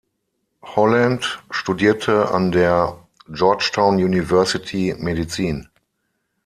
Holland studierte an der Georgetown University Medizin.